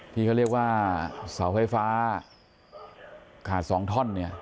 ที่เขาเรียกว่าเสาไฟฟ้าขาดสองท่อนเนี่ย